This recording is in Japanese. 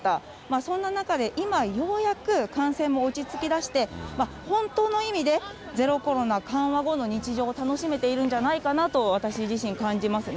そんな中で、今ようやく感染も落ち着きだして、本当の意味でゼロコロナ緩和後の日常を楽しめているんじゃないかなと、私自身、感じますね。